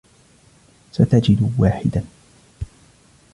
ستجد واحدا.